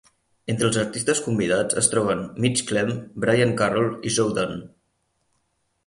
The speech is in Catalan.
Entre els artistes convidats es troben Mitch Clem, Brian Carroll i Joe Dunn.